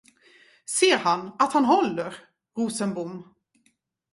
Ser han, att han håller, Rosenbom?